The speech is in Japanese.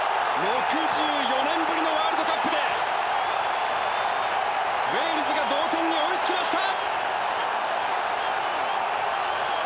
６４年ぶりのワールドカップでウェールズが同点に追いつきました！